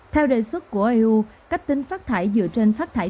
theo đề xuất của eu cách tính phát thải dựa trên phát thải